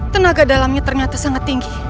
tenaga dalamnya ternyata sangat tinggi